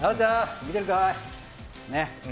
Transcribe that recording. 見てるかい。